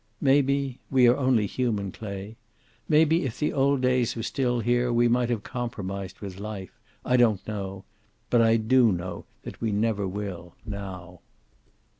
Maybe we are only human, Clay maybe if the old days were still here we might have compromised with life. I don't know. But I do know that we never will, now.